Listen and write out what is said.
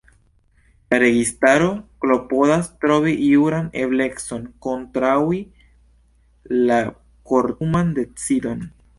La registaro klopodas trovi juran eblecon kontraŭi la kortuman decidon.